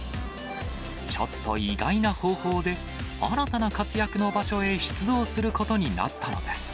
ちょっと意外な方法で、新たな活躍の場所へ出動することになったのです。